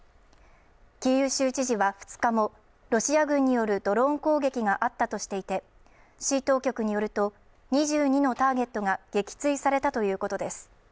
キーウ州知事は２日も、ロシア軍によるドローン攻撃があったとしていて、市当局によると２２のターゲットが撃墜されたということです。